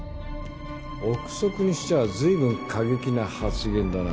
臆測にしちゃあ随分過激な発言だな。